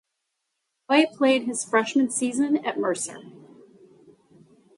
Roy played his freshman season at Mercer.